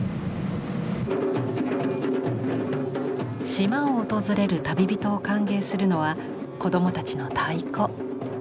島を訪れる旅人を歓迎するのは子供たちの太鼓。